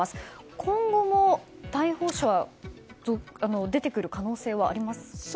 今後も逮捕者、出てくる可能性はありますか。